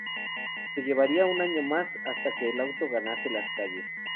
Pero llevaría un año más hasta que el auto ganase las calles.